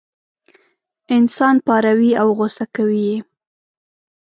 انسان پاروي او غوسه کوي یې.